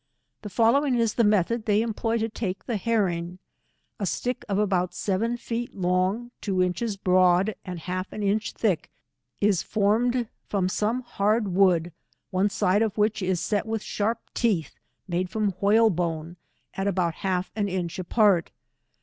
The following is the method they employ to take the herring : A stick of about seven feet long) two inches broad, and half an inch thick, is formed from some hard wood, one side of which is set with sharp teeth, ma^e from whale bone, at about half an inch apart.